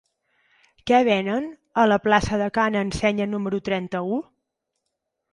Què venen a la plaça de Ca n'Ensenya número trenta-u?